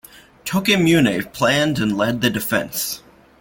Tokimune planned and led the defence.